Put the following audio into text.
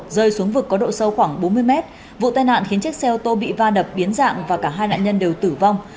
rơi xuống vực có độ sâu khoảng bốn mươi mét vụ tai nạn khiến chiếc xe ô tô bị va đập biến dạng và cả hai nạn nhân đều tử vong